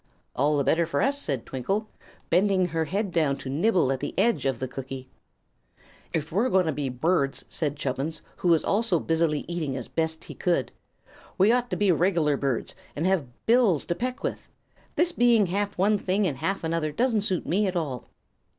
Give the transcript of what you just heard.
"All the better for us," said Twinkle, bending her head down to nibble at the edge of the cookie. "If we're going to be birds," said Chubbins, who was also busily eating as best he could, "we ought to be reg'lar birds, and have bills to peck with. This being half one thing and half another doesn't suit me at all."